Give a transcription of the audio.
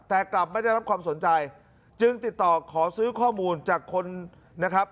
แต่กลับไม่ได้รับความสนใจจึงติดต่อขอซื้อข้อมูลจากคนนะครับ